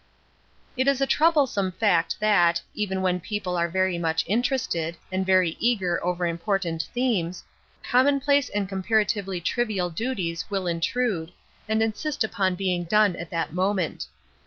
It is a troublesome fact that, even when people are very much interested, and very eager over important themes, commonplace and comparatively trivial duties, will intrude, and insist upon being done at that moment.